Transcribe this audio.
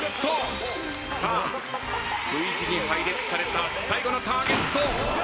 さあＶ字に配列された最後のターゲット。